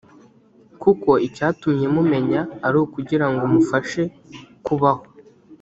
kuko icyatumye mumenya ari ukugira ngo mufashe kubaho